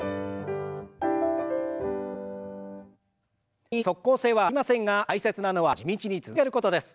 運動に即効性はありませんが大切なのは地道に続けることです。